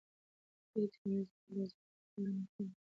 ولې ټولنیز نهادونه زموږ لپاره مهم دي؟